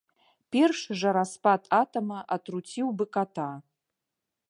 Першы жа распад атама атруціў бы ката.